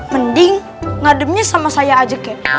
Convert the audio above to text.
mending ngademnya sama saya aja kakek